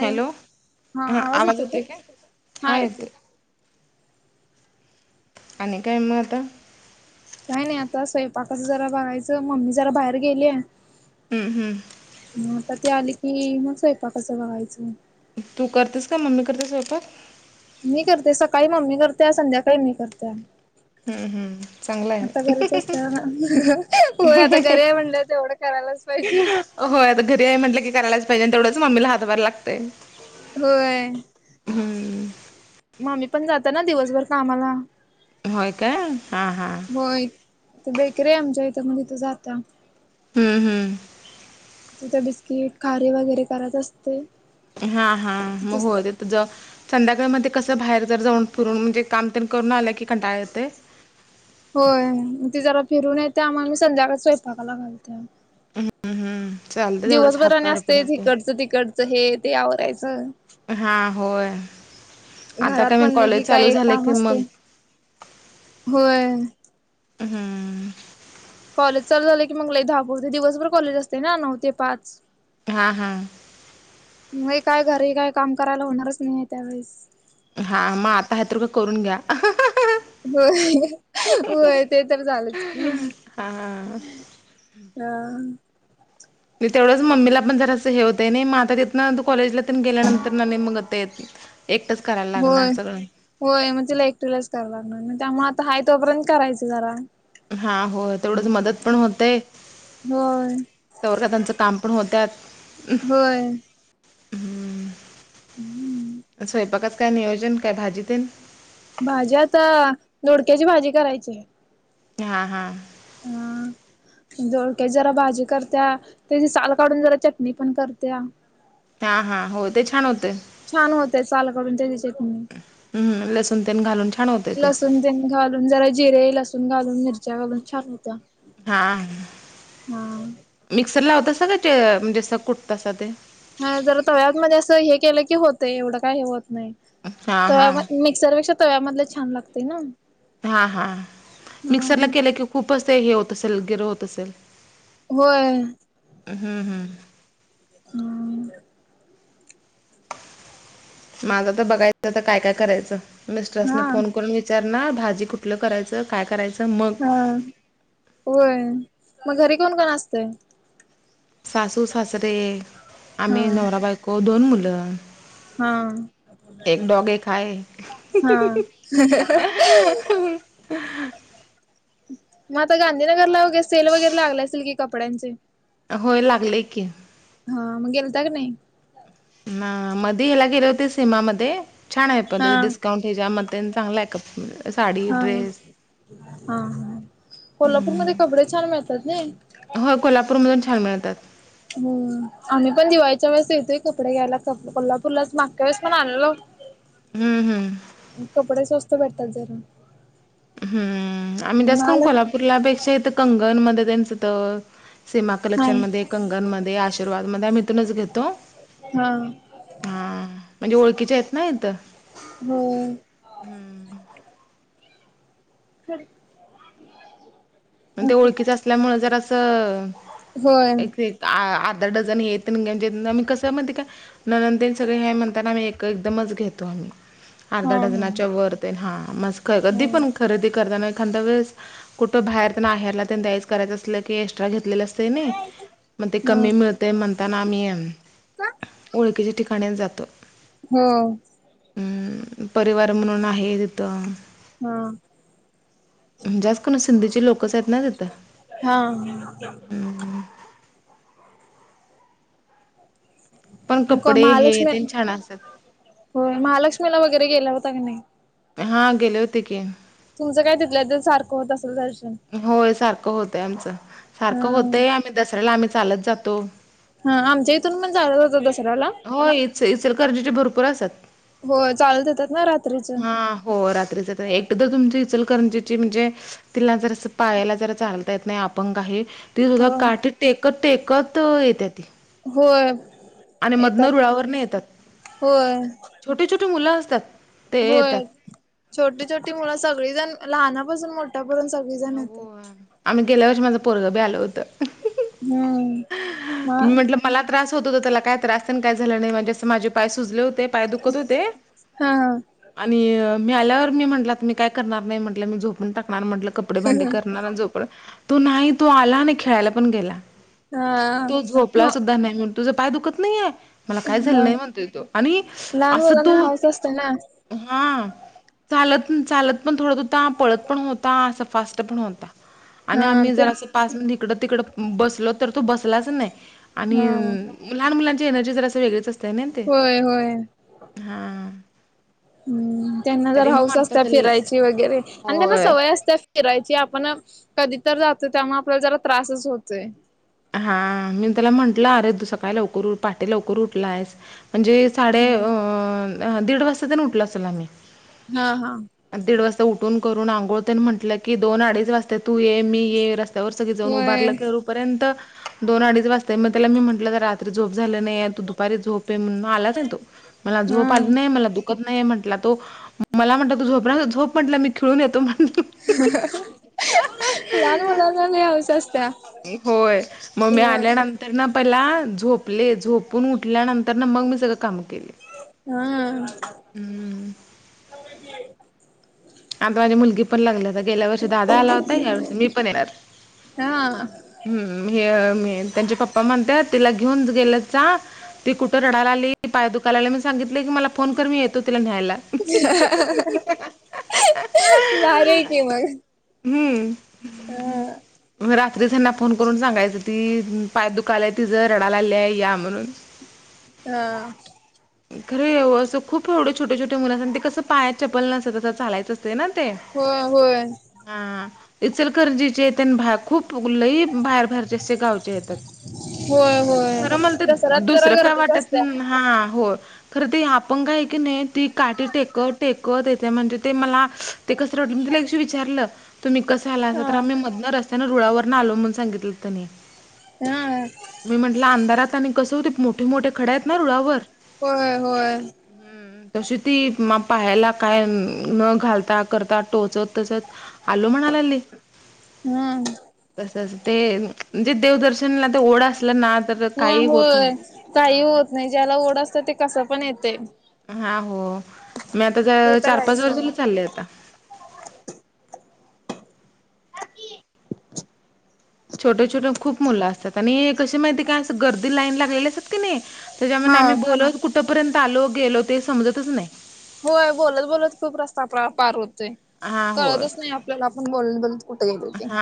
Hello हा आवाज येतोय काय हा येतोय. आणि काय म आता काय नाय आता स्वयंपाकाचं जरा बघायचं मम्मी जरा बाहेर गेलेय. हूं हूं हं आता ती आली की मग स्वयंपाकाच बघायचं. तू करतेस का? मम्मी करते स्वयंपाक मी करते सकाळी मम्मी करते संध्याकाळी मी करते. हम्म हम्म चांगलं आहे आता घरीच असत ना होय आता घरी आहे म्हणलं तेवढं करायलाच पाहिजे होय आता घरी आहे म्हटलं की करायलाच पाहिजे आणि तेवढंच मम्मीला हातभार लागतय. होय. हम्म. मम्मी पण जाता ना दिवसभर कामाला होय काय हा हां होय ते बेकरी आहे आमच्या इथं म तिथं जाता. हम्म हम्म तिथ बिस्किट खारी वगैरे करत असते. हा हा मग तिथच होत्यात त ज संध्याकाळी मं ते कसं बाहेर जर जाऊन फिरून म्हणजे काम तेन करून आलं की कंटाळा येतय. होय म ती जरा फिरून येत आम्हला मी संध्याकाळी स्वयंपाकाला घालते. हम्म हम दिवसभर आणि असतय हीकडचं तिकडचं हे ते आवरायचं. हा होय आता घरात काय मग म्हणलं की कॉलेज काय चालू एक झालंय काम की मग असतय. होय. हम्म कॉलेज चालू झालं की मंग लाय धावपळ होते दिवसभर कॉलेज असतय ना नऊ ते पाच. हा हा. मी काय घरी काय काम करायला होणारच नाय ये त्यावेेळेस हा मग आता हाय तोपर करून घ्या. होय होय ते तर झालंच की हा. आणि तेवढंच मम्मीला पण जरासं हे होत नाई म आता तिथना कॉलेजला तेन गेल्यानंतर ना मग होता येते. एकटच करायला लागणार होय. सगळं. होय मग तिला एकटीलाच करायला लागणार ना त्यामुळे आता हाय तोपर्यंत करायचं जरा. हा हो तेवढंच मदत पण होतय. होय तवरका तेच काम पण होतात होय. हम्म. स्वयंपाकात काय नियोजन काय भाजी तीन. भाजी आता दोडक्याची भाजी करायची. हा हा. अ दोडक्याची जरा भाजी करत्या त्याची साल काढून जरा चटणी पण करत्या. हा हा हो ते छान होतय. छान होतय सालकाढुन त्याची चटणी हम्म लसूण तेन घालून छान होतंय ते लसूण तेण घालून जरा जिरे लसूण घालून मिरच्या घालून छान होता. हा मिक्सर लावतसा का ज म्हणजेस कुटतसा ते हा जरा तव्यात मध्ये असं हे केलं की होत एवढं काय हे होत नाही हा तव्या हा ममी सर्वेक्षा तव्यामधले छान लागते ना. हा हा ह मिक्सरला केलं की खूपच ते हे होत असेल गैर होत असेल. होय. हम्म हम्म. हम्म. माझं तर बघायचं तर काय काय करायचं मिस्ट्रसने फोन करून विच विचार ना भाजी कुठलं करायचं काय करायचं. मग हम्म होय मग घरी कोण कोण असतंय. सासू सासरे हा आम्ही नवरा बायको दोन मुलं. हा. एक डॉग एक आहे हा. [unintelligible] मग आता गांधीनगरला वगैरै सेल वगैरे लागले असतील की कपड्यांचे. होय लागलय की. हा मग गेलता का नाही. ना मध ह्याला गेले होते सीमामध्येध्ये छान आहे पण हा त्याच डिस्काउंट हच्या मते चांगलाय कप हा हा कोल्हापूरमध्ये कपडे छान मिळतात नाय. हो कोल्हापूरमधून छान मिळतात. हम आम्ही पण दिवाळीच्या वेळेस येतोय कपडे घ्यायला कोल्हापूरलाच मागच्या वेळेस पण आलेलो होत हम्म हम्म. कपडे स्वस्त भेटतात जरा हम्म आम्ही जास करून महालक् कोल्हापूरलापेक्षा इथ कंगण मध्ये त्यांचं त सीमा हा कलेक्शन मध्ये कंगण मध्ये आशीर्वाद मध्ये आम्ही इथूनच घेतो हा. हा म्हणजे ओळखीच्या आहेत ना इथं. हो. हम्म. [unintelligible] मग ते ओळखीच असल्यामुळे जर असं होय एक वी आ अर्धा डझन हे घेऊ आम्ही कसं म्हणते काय ननन सगळे हे म्हणताना आम्ही एक एकदमच घेतो आम्ही अर्धा हा हा डझनाच्या वर ते हा मसक कधी पण ह खरेदी करताना एखाद्या वेळेस कुठे बाहेर त्यां आहे हरला त्यां द्यायच करायचं असलं की एक्स्ट्रा घेतलेलं असते ना मग ते कमी मिळ ते म्हणताना आम्ही ओळखीच्या ठिकाणी जातो. हम्म. हम्म परिवार म्हणून आहे तिथं. हा जास कोण सिंधीची लोकच आहेत ना तिथं. हा. पण [unintelligible] कपडे हे महालक्ष्मी तेन छान असतात होय महालक्ष्मीला वगैरे गेला होता की नाही. हा गेले होते की. तुमचं काय तिथल्या तर सारखं होत असल दर्शन- होय सारखं होतय आमचं अ सारखं होतंय आम्ही दसऱ्याला आम्ही चालत जातो. हा आमच्या इथून पण झालं होत दसऱ्याला. हो इ इचलकरंजी चे भरपूर असतात. हो चालत येतात ना रात्रीचं. हा हो रात्रीच एकट तर तुमची इचलकरंजीची म्हणजे तिला जर पायाला जरा चालता येत नाही आपंग आहे. ती सुद्धा हो काठी टेकत टेकत येते ती हो आणि मधन रुळावरने येतात होय छोटी छोटी मुलं असतात ते होय येतात. छोटी छोटी मुलं सगळीजण लहानापासून मोठ्यापून सग हो आम्ही गेल्या वर्षी माझं पोरगं बी आल होत हम्म म म्हटल मला त्रास होतो त्याला काय त्रास काय झालं नाही माझ्या माझे पाय सुजले होते पाय दुखत होते हा आणि मी आल्यावर मी म्हटला मी काय करणार नाही म्हटलं मी झोपून टाणार म्हटलं कपडे भांडे करणार जो पण तो नाही तो आला आणि खेळायला पण गेला हा तू म झोपला सुद्धा नाही म्हण तुझं पाय दुखत नाहीय मला काय झालं हा नाही म्हणता य तो आणि लहान असं तो मुलांना हाऊस असते ना हा चालत चालत पण थोडत होता पळत पण होता असं फास्ट पण होता आणि हा आम्ही जरा ते असं पास इिकडं तिकडं बसल तर तो बसलाच नाही आणि हा लहान मुलांची एनर्जी जर असं वेगळीच असत ना ते होय होय हा हम्म त्यांना जर तरी मी हाऊस असत म्हणतो त्याला फिरायची वगैरे आणि त्यांना होय. सवय असत फिरायची आपण कधी तरर जातो त्यामुळे आपल्याला जरा त्रासच होतोय हा मी त्याला म्हंटलं अरे तू सकाळी लवकर पाटे लवकर उठला आहेस म्हणजे साडे हा. दीड वाजता त्यां उठल असेल आम्ही हा हा दीड वाजता उठून करून आंघोळतेने म्हटलं की दोन अडीच वाजता तू ये मी ये रस्त्यावर सगळी जाऊन होय उभारलं कूपर्यंत दोन अडीच वाजताय मग त्याला मी म्हंटलं तर रात्री झोप झालं नाही तू दुपारी झोप आहे म्हणून आलाच मला झोप हा आली नाही मला दुखत नाही म्हट तो मला म्हट त झो झोप म्हटला मी खेळून येतो म्हटला. लहान मुलांना नाही हवशचत होय मग मी आल्यानंतर ना पला झोपले झोपून उठल्यानंतर ना मग मी सगं काम केलं हम् हमं आता माझी मुलगी पण लागली होता गेल्या वर्षी दादा आला होता या वर्षी मी पण येणार हा हम्म हे त्यांचे पप्पा म्हणत तिला घेऊन गेलं ती कुठं रढाय आली पाय दुकालाला मी सांगितले की मला फोन कर मीेतो तिला न्यायला बाारयची मग हम्म हा म रात्री त्यांना फोन करून सांगायचं ती पाया दुखालाय ति जं रडा ला आली आहे या म्हणून हा खरं ये असं खूप एवढं छोटे छोटे मुला आणि ते कसं पायात चपल नसंसं चालायचं ते ना ते होय होय हा इचलकरजीचे त्यां खूप लही बाहेर फारज गावच्या येतात होय होय खरं म्हण तर दसऱ्यात जरा दुसरं काय गर्दीच वाटत असत्या. हा हो खरं ती आपण काय की नाही ती काठी टेकत टेकतथे म्हणजे ते मला ते कसं वाट त्याला दिवशी विचारलं तुम्ही कस आला असा तर हा आम्ही मधन त्यांना रुळावर न आलो म्हणून सांगितलं त्यांनी हा मी म्हंटलं अंधारात आणि कसं होते मोठे मोठे खड्या आहेत ना रुळावर होय होय तशी ती मग पाहायला काय? न घालता करता टोचत टोचत आलो म्हणाली. हा तस ते म्हणजे देवदर्शनला ते ओढ असलं ना तर हा काही होत होय नाही. काही होत नाही ज्याला ओढ असत ते कसं पण येतय. हा हो मी आता तर चार पाच आहेच वर्ष झाले सोडा चाललेत. छोटे छोटे खूप मुलं असतात आणि कशी माहिती काय असं गर्दी लाईन लागलेली असतात की नाही. त्याच्यामुळे हा आम्ही बोलत कुठपर्यंत आलो गेलो ते समजतच नाही. होय बोलत बोलत खूप रस्ता आपल्याला पार होतोय हा होय. कळतच नाही आपल्याला आपण बोलत बोलत. कुठे गेलो ते हा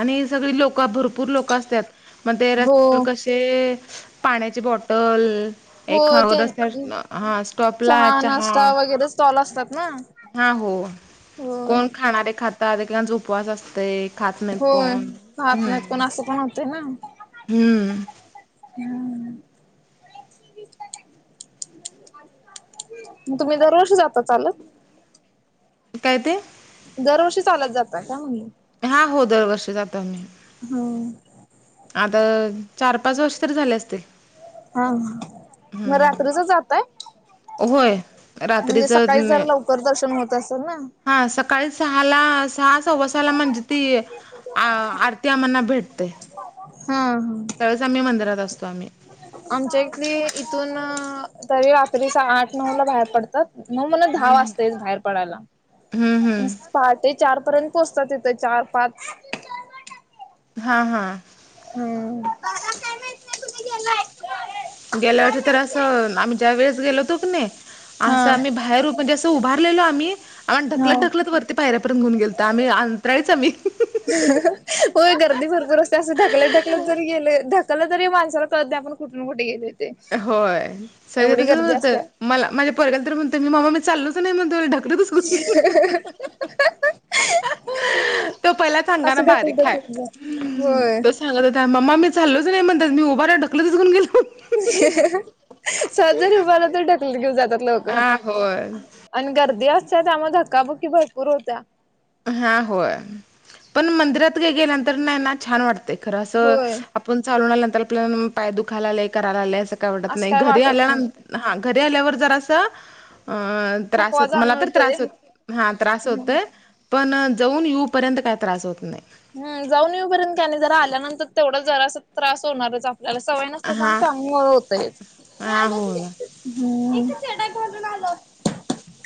आणि सगळी लोक भरपूर लोक असतात मग ते हो रस्त्यावर कशे ते पाण्याची बॉटल हो एक ते रस् हा स्टॉपला चहा. नाश्ता वगैरे स्टॉल असतात ना हा हो होय कोण खाणारे खातात, उपवास असतय खात नाहीत होय कोण खहत नाहीत हम्म कोण असं पण होतय ना हम्म हम्म मग तुम्ही दरवर्षी जाता चालत. काय ते? दरवर्षी चालत जातात काय म्हणलं? हा हो दरवर्षी जातो आम्ही. हो आता चार पाच वर्ष तरी झाले असतील. हा मग हम्म रात्रीच जाताय? होय म्हणजे रात्रीच सकाळी जरा लवकर दर्शन होत असेल ना? हा सकाळी सहाला सहा सव्वासाला म्हणजे ती अ आरती आम्हाना भेटते हा हा त्यावेळेस आम्ही मंदिरात असतो आम्ही. आमच्या इथली इ इथून तरी रात्री आठ नऊ ला बाहेर पडतात. मग मला दहा वाजतात बाहेर पडायला. हम्म हम्म पहाटे चार पर्यंत पोहोचतात तिथ चार पाच. हा हा हम्म गेल्या वर्षी तर असं आम्ही ज्या वेळेस गेलो होतो की नाही हा असं आम्ही बाहेर उभ म्हणजे असं उभारलेल आम्हीम हा ढकलत ढकलत वरती पायऱ्यार्ंत घेऊन गेलो आम्ही अंतराळीच आम्ही हाह हह्ह्हहहह होय गर्दी भरपूरते असं ढकलत ढकलत जरी गेले ढकलं तरी माणसाला कळत नाही आपण कुठून कुठे गेलोय. होय सगळं तसच होत, असते मला माझा पोरगा तर म्हणतो मी चालोच नाही. म्हणतो ढकलत च ह्ह्हहहह हीह्ह्चं तो पहिलाच असं आंगाण ढकलत बारीक हाय. ढकलत होय सांगत होता, ममा मी चालोच नाही म्हणतात मी उभा राहिलो ढकलतच घेऊन गेलो. हाह ही सहज जरी उभा राहील तर ढकलत घेऊन जातात लोक. हा होय आणि गर्दी असते त्यामुळे धक्काबुकी भरपूर होते. हा होय पण मंदिरात गेल्यांतर नाही ना छान वाटत खर असं होय पण चालून आल्या नंतर आपल्याला पाय दुखायला आलेय करायला आलेय असं काय वाटत असं नाही काय घरी वाटत नाही आल्यांत हा घरी आल्यावर जर असं अ त्रास हो थकवा मला तर जाणवतोय. त्रास होत हा त्रास होत पण जाऊन येऊपर्यंत काय त्रास होत नाही हम जाऊन येऊपर्यंत आणि जरा आल्यानंतर तेवढा जरा त्रास होणारच आपल्याला सवय न हा [unintelligible] हा होय. हम्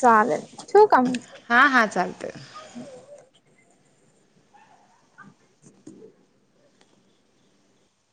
चालेल ठेऊ का मग हां हां चालतये. [inaudible] [inaudible]